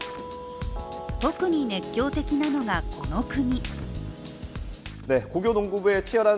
特に熱狂的なのが、この国。